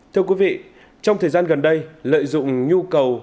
thưa quý vị trong thời gian gần đây lợi dụng nhu cầu